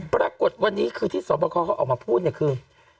ปรากฏวันนี้คือที่สวบคอเขาออกมาพูดเนี่ยคือ